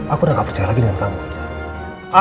aku udah gak percaya lagi dengan kamu